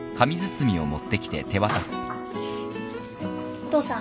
お父さん。